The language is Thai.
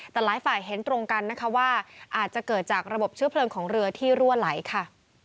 แต่หลายฝ่ายเห็นตรงกันนะคะว่าอาจจะเกิดจากระบบเชื้อเพลิงของเรือที่รั่วไหลค่ะ